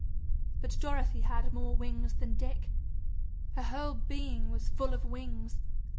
But Dorothy had more wings than Dick. Her whole being was full of wings.